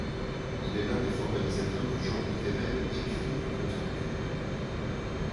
Il est l'un des formalisateurs du genre littéraire écrit du conte merveilleux.